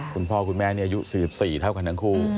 คุณพ่อคุณแม่นี่อายุ๔๔เท่ากันทั้งคู่